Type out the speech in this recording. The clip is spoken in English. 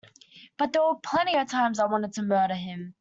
But there were plenty of times I wanted to murder him!